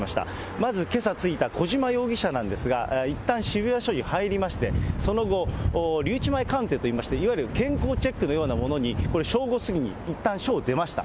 まずけさ着いた小島容疑者なんですが、いったん渋谷署に入りまして、その後、留置前鑑定といいまして、いわゆる健康チェックのようなものに、これ、正午過ぎに、いったん署を出ました。